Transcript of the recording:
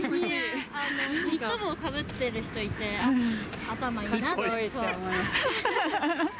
ニット帽かぶってる人いて、頭いいなと思って。